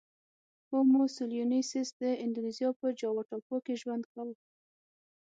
هومو سولوینسیس د اندونزیا په جاوا ټاپو کې ژوند کاوه.